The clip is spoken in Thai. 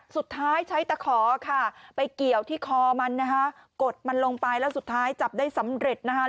สุดท้ายใช้ตะขอค่ะไปเกี่ยวที่คอมันนะคะกดมันลงไปแล้วสุดท้ายจับได้สำเร็จนะคะ